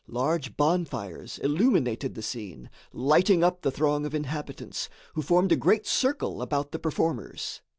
Large bonfires illuminated the scene, lighting up the throng of inhabitants, who formed a great circle about the performers.